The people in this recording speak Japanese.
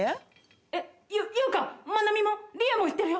えっユウカマナミもリエも言ってるよ。